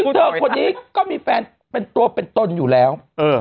ซึ่งเธอคนนี้ก็มีแฟนเป็นตัวเป็นตนอยู่แล้ว